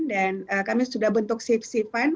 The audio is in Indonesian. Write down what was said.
dan kami sudah bentuk sifan